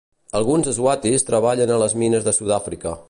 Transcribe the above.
Alguns swatis treballen a les mines de Sudàfrica.